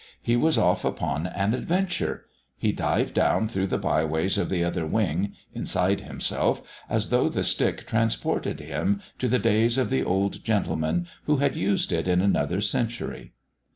He was off upon an adventure. He dived down through the byways of the Other Wing, inside himself, as though the stick transported him to the days of the old gentleman who had used it in another century.